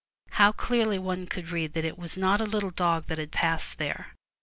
How clearly one could read that it was not a little dog that had passed there.